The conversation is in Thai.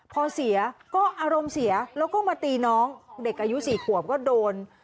พอเสียก็อารมณ์เสียแล้วก็มาตีน้องเด็กอายุ๔ขวบก็โดน